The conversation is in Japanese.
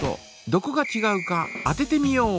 どこがちがうか当ててみよう！